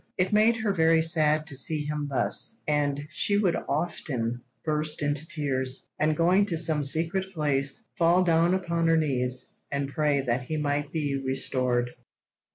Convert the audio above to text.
It made her very sad to see him thus, and she would often burst into tears, and going to some secret place, fall down upon her knees, and pray that he might be restored.